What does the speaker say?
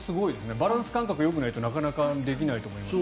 バランス感覚がよくないとなかなかできないと思いますし。